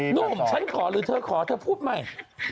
หนุ่มฉันขอหรือเธอขอเธอพูดใหม่